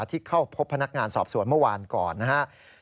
ที่เข้าพบพนักงานสอบสวนเมื่อวานก่อนนะครับ